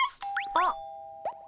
あっ。